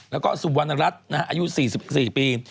แล้วก็สุวรรณรัฐอายุ๔๔ปี